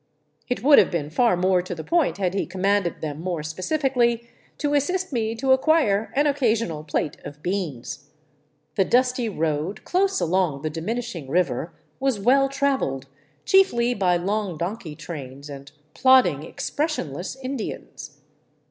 It would have been far more to the point had he commanded them more specifically to assist me to acquire an oc casional plate of beans. The dusty road close along the diminishing river was well traveled, chiefly by long donkey trains and plodding, ex pressionless Indians.